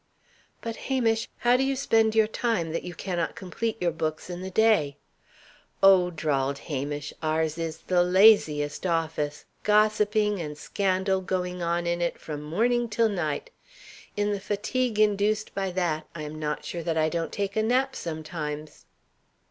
"But, Hamish, how do you spend your time, that you cannot complete your books in the day?" "Oh," drawled Hamish, "ours is the laziest office! gossiping and scandal going on in it from morning till night. In the fatigue induced by that, I am not sure that I don't take a nap, sometimes."